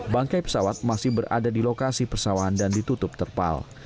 bangkai pesawat masih berada di lokasi persawahan dan ditutup terpal